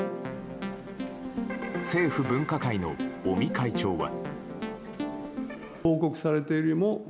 政府分科会の尾身会長は。